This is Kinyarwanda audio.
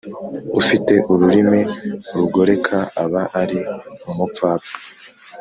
ufite ururimi rugoreka aba ari umupfapfa